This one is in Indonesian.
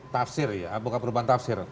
tafsir ya bukan perubahan tafsir